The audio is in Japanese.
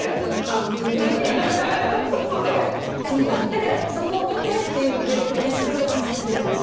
だからそこを見てっていうので今日ネックレスを重ねてるんですよ。